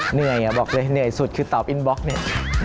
เหนื่อยบอกเลยเหนื่อยสุดคือเตาอินบล็อกเนี่ย